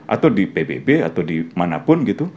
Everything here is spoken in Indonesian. atau di pbb atau di mana pun gitu